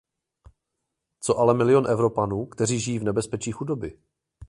Co ale milion Evropanů, kteří žijí v nebezpečí chudoby?